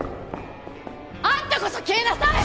あんたこそ消えなさい！